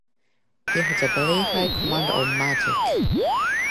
He has a very high command of magic.